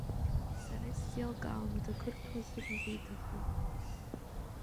Сара исзеилкаауам дақырҭуазар зиҭахым.